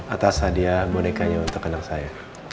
atas hadiah bonekanya untuk anak saya